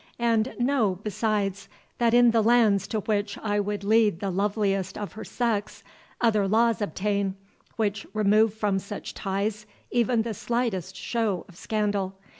And know, besides, that in the lands to which I would lead the loveliest of her sex, other laws obtain, which remove from such ties even the slightest show of scandal.